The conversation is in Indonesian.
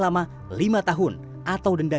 lama lima tahun atau denda